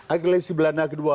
agresi belanda kedua